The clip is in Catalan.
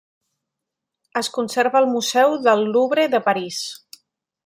Es conserva al Museu del Louvre de París.